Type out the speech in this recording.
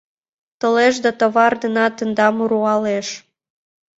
Толеш да товар денат тендам руалеш.